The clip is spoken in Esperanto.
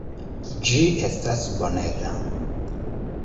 Ĝi estas bonega.